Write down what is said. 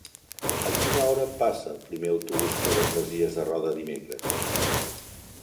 A quina hora passa el primer autobús per les Masies de Roda dimecres?